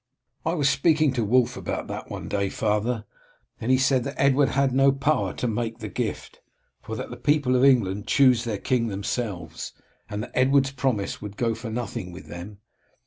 "I was speaking to Wulf about that one day, father, and he said that Edward had no power to make the gift, for that the people of England chose their king themselves, and that Edward's promise would go for nothing with them.